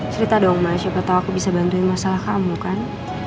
cerita dong mas siapa tau aku bisa bantuin masalah kamu kan